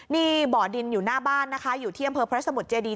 นี่บ่อดินอยู่หน้าบ้านนะคะอยู่ที่อำเภอพระสมุทรเจดี